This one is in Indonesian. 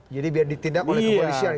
jadi biar ditindak oleh kepolisian gitu pak ya